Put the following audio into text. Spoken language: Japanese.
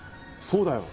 そうだよ。